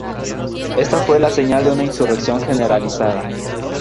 Esta fue la señal de una insurrección generalizada.